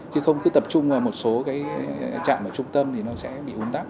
chứ không cứ tập trung vào một số cái trạm ở trung tâm thì nó sẽ bị bốn tác